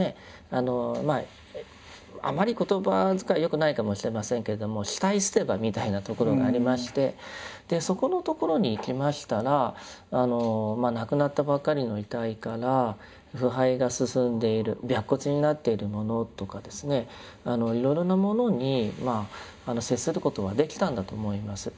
あまり言葉遣いはよくないかもしれませんけれども死体捨て場みたいな所がありましてそこの所に行きましたら亡くなったばっかりの遺体から腐敗が進んでいる白骨になっているものとかですねいろいろなものに接することができたんだと思います。